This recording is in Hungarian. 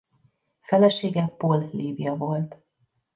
Felesége Pohl Lívia volt.